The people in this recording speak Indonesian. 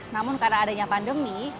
namun karena adanya pandemi